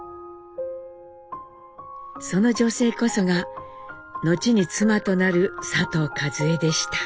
その女性こそが後に妻となる佐藤和江でした。